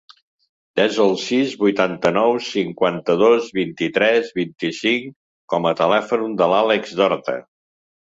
Desa el sis, vuitanta-nou, cinquanta-dos, vint-i-tres, vint-i-cinc com a telèfon de l'Àxel Dorta.